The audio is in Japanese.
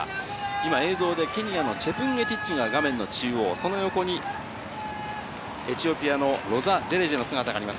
今、映像でケニアのチェプンゲティッチが画面の中央、その横にエチオピアのロザ・デレジェの姿があります。